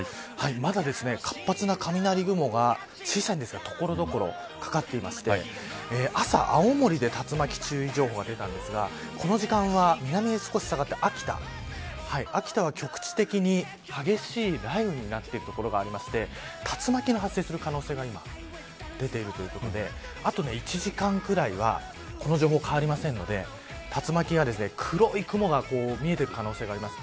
まだ活発な雷雲が小さいんですが所々かかっていまして朝、青森で竜巻注意情報が出たんですがこの時間は南へ少し下がって秋田秋田は局地的に激しい雷雨になっている所があって竜巻が発生する可能性が今、出ているということであと１時間ぐらいはこの情報変わりませんので竜巻が、黒い雲が見える可能性があります。